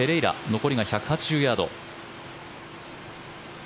残りが１８０ヤード。